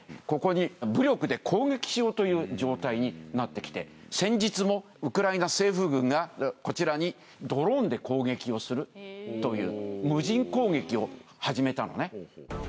ここに武力で攻撃しようという状態になってきて先日もウクライナ政府軍がこちらにドローンで攻撃をするという無人攻撃を始めたのね。